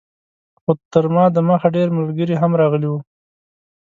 خو تر ما دمخه ډېر ملګري هم راغلي وو.